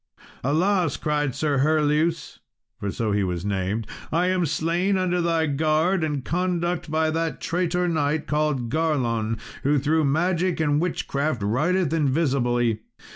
"Alas," cried Sir Herleus (for so was he named), "I am slain under thy guard and conduct, by that traitor knight called Garlon, who through magic and witchcraft rideth invisibly.